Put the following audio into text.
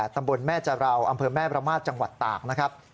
ตำบลแม่จาราวอำเภอแม่บรรมาศจังหวัดตาก